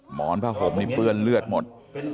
หมอนผ้าห่มนี่เปื้อนเลือดหมด